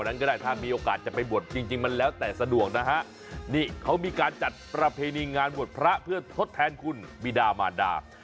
นี่เขาก็จะจัดการบรรพระเพื่อทศแทนคุณมิดามารดา